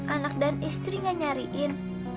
anak dan istri gak nyariin